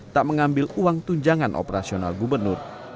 tak mengambil uang tunjangan operasional gubernur